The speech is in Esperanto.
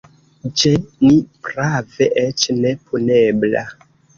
Ĉe ni, prave, eĉ ne punebla.